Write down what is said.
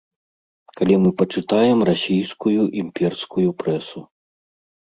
Калі мы пачытаем расійскую імперскую прэсу.